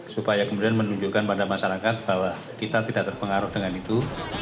supaya kemudian menunjukkan pada masyarakat bahwa kita tidak terpengaruh dengan itu